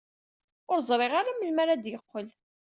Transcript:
Ur ẓriɣ ara melmi ara d-yeqqel.